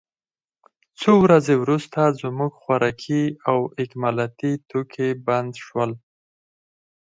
څو ورځې وروسته زموږ خوراکي او اکمالاتي توکي بند شول